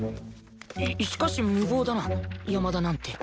ししかし無謀だな山田なんて。